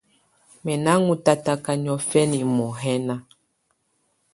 Mɛ̀ nà ɔ́n tataka niɔ̀fɛna muhɛna.